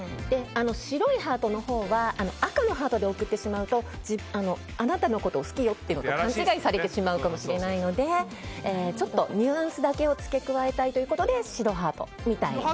白いハートのほうは赤のハートで送ってしまうとあなたのことを好きよというのと勘違いされてしまうかもしれないのでちょっとニュアンスだけを付け加えたいということで白ハートみたいな。